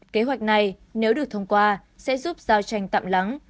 kế hoạch này nếu được thông qua sẽ giúp giao tranh tạm lắng